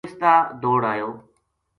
وہ اس تا دوڑ آیو